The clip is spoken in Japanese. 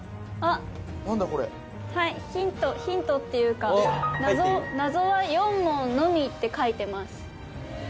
ヒントヒントっていうか「謎は４問のみ」って書いてます